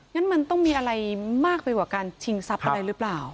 งั้นมันต้องมีอะไรมากไปกว่าการชิงทรัพย์อะไรหรือเปล่า